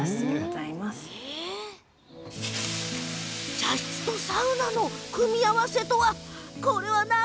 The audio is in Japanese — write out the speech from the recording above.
茶室とサウナの組み合わせとは。